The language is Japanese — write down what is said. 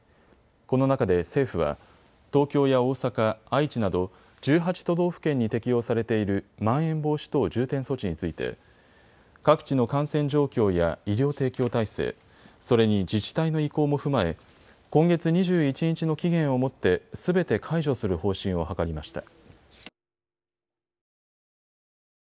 この中で政府は東京や大阪、愛知など１８都道府県に適用されているまん延防止等重点措置について各地の感染状況や医療提供体制、それに自治体の意向も踏まえ今月２１日の期限をもってすべて解除する方針を諮りました。